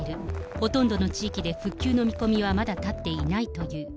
ほとんどの地域で復旧の見込みはまだ立っていないという。